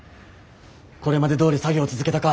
これまでどおり作業を続けたか。